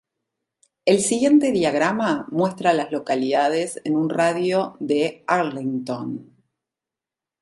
El siguiente diagrama muestra a las localidades en un radio de de Arlington.